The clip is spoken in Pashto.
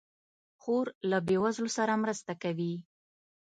خور له بېوزلو سره مرسته کوي.